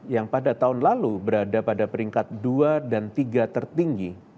yang pada tahun lalu berada pada peringkat dua dan tiga tertinggi